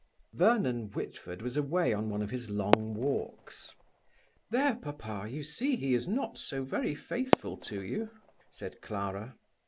Vernon Whitford was away on one of his long walks. "There, papa, you see he is not so very faithful to you," said Clara.